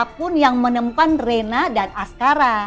bagi siapa pun yang menemukan rena dan asqara